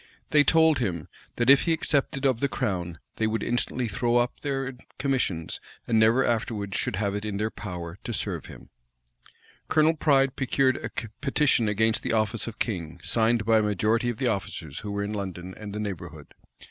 They told him, that if he accepted of the crown, they would instantly throw up their commissions, and never afterwards should have it in their power to serve him.[*] * Thurloe, vol. vi. p. 261. Colonel Pride procured a petition against the office of king, signed by a majority of the officers who were in London and the neighborhood.